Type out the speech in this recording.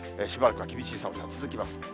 しばらくは厳しい寒さが続きます。